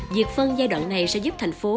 việc phân giai đoạn này sẽ giúp thành phố